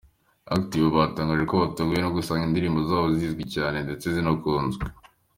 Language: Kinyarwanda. Active batangaje ko batunguwe no gusanga indirimbo zabo zizwi cyane ndetse zinakunzwe.